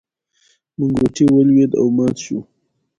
منګوټی ولوېد او مات شو.